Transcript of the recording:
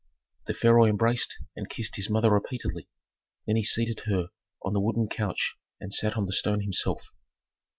The pharaoh embraced and kissed his mother repeatedly, then he seated her on the wooden couch and sat on the stone himself.